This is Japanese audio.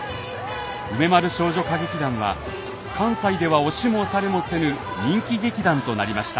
梅丸少女歌劇団は関西では押しも押されもせぬ人気劇団となりました。